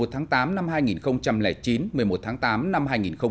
một mươi tháng tám năm hai nghìn chín một mươi một tháng tám năm hai nghìn một mươi chín